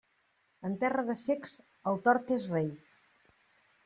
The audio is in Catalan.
En terra de cecs, el tort és rei.